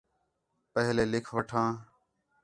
پہلے لِکھ وٹھاں